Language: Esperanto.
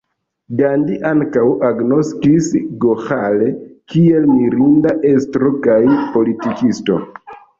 Gandhi ankaŭ agnoskis Goĥale kiel mirinda estro kaj politikisto.